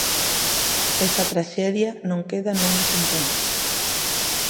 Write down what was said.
Esta traxedia non queda nunha sentenza.